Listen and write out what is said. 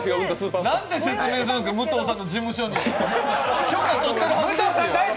何て説明するんですか、武藤さんの事務所に。